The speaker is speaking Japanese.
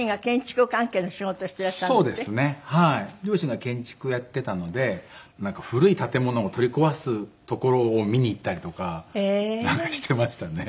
両親が建築やってたので古い建物を取り壊すところを見に行ったりとかしてましたね。